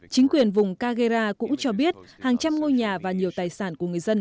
chính quyền vùng cageara cũng cho biết hàng trăm ngôi nhà và nhiều tài sản của người dân